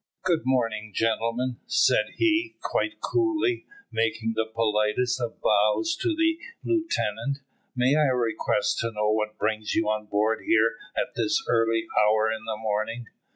"Good morning, gentlemen," said he, quite coolly, making the politest of bows to the lieutenant. "May I request to know what brings you on board here at this early hour in the morning?"